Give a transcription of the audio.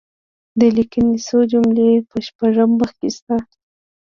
د لیکني څو جملې په شپږم مخ کې شته.